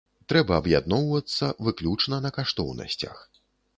Трэба аб'ядноўвацца выключна на каштоўнасцях.